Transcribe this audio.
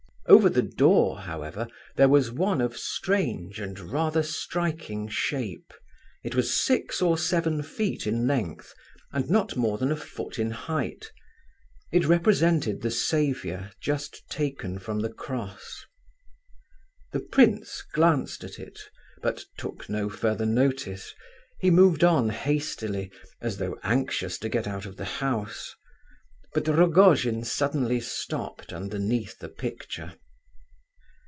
Over the door, however, there was one of strange and rather striking shape; it was six or seven feet in length, and not more than a foot in height. It represented the Saviour just taken from the cross. The prince glanced at it, but took no further notice. He moved on hastily, as though anxious to get out of the house. But Rogojin suddenly stopped underneath the picture.